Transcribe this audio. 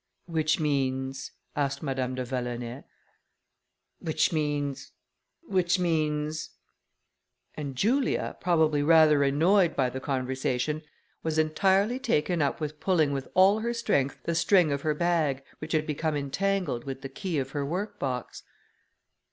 "Which means...?" asked Madame de Vallonay. "Which means ... which means...." And Julia, probably rather annoyed by the conversation, was entirely taken up with pulling with all her strength the string of her bag, which had become entangled with the key of her work box.